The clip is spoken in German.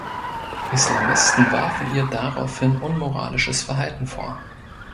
Islamisten warfen ihr daraufhin unmoralisches Verhalten vor.